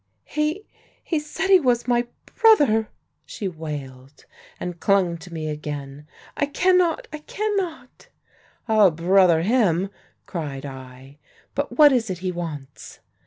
"'He he said he was my brother!' she wailed, and clung to me again. 'I cannot I cannot!' "'I'll brother him!' cried I. 'But what is it he wants?'